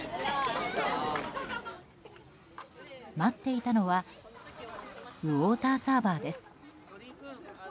待っていたのはウォーターサーバーです。